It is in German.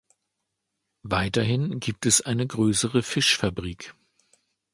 Weiterhin gibt es eine größere Fischfabrik.